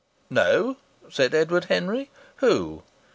"No," said Edward Henry. "Who?"